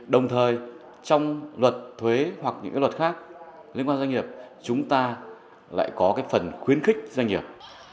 đồng thời trong luật thuế hoặc những luật khác liên quan doanh nghiệp chúng ta lại có phần khuyến khích doanh nghiệp